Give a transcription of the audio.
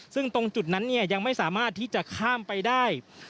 ซึ่งตรงจุดนั้นยังไม่สามารถที่จะข้ามไปได้